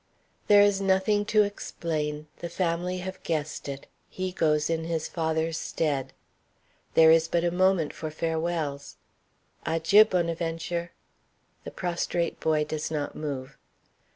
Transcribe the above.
There is nothing to explain, the family have guessed it; he goes in his father's stead. There is but a moment for farewells. "Adjieu, Bonaventure." The prostrate boy does not move.